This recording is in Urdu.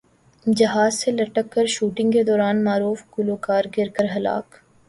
جہاز سے لٹک کر شوٹنگ کے دوران معروف گلوکار گر کر ہلاک